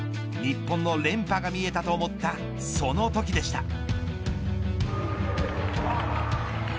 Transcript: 日本の連覇が見えたと思ったその時でした。